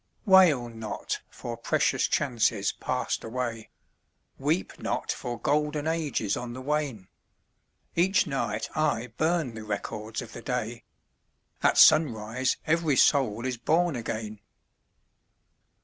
[ 27 ] Selected Poems Wail not for precious chances passed away, Weep not for golden ages on the wane ! Each night I burn the records of the day, — At sunrise every soul is born again